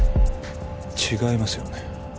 違いますよね